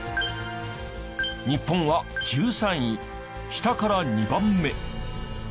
日本は１３位下から２番目。